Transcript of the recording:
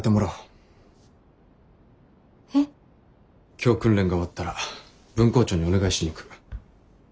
今日訓練が終わったら分校長にお願いしに行く。